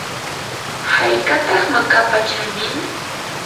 ¿haykataq makapa chanin?